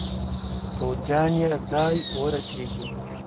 پوځیان یې ځای ورسیږي.